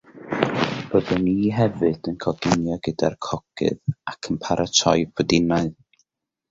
Byddwn i hefyd yn coginio gyda'r cogydd ac yn paratoi pwdinau